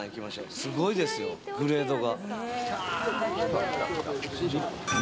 すごいですよ、グレードが。